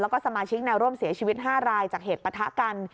แล้วก็สมาชิกแนวร่วมเสียชีวิต๕รายจากเหตุปะทะกัน